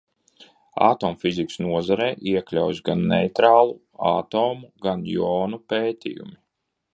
Atomfizikas nozarē iekļaujas gan neitrālu atomu, gan jonu pētījumi.